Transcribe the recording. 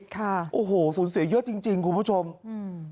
ค่ะโอ้โหสูญเสียเยอะจริงจริงคุณผู้ชมอืม